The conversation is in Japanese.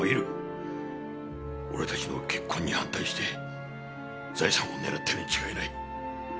俺たちの結婚に反対して財産を狙っているに違いない。